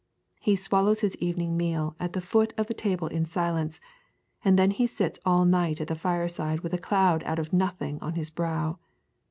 He swallows his evening meal at the foot of the table in silence, and then he sits all night at the fireside with a cloud out of nothing on his brow.